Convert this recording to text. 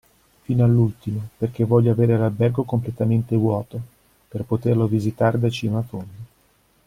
Fino all'ultimo, perché voglio avere l'albergo completamente vuoto, per poterlo visitare da cima a fondo.